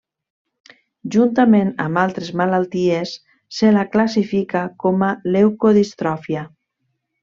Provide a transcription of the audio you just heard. Juntament amb altres malalties se la classifica com a leucodistròfia.